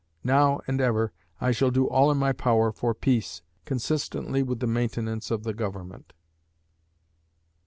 Now and ever, I shall do all in my power for peace, consistently with the maintenance of the Government."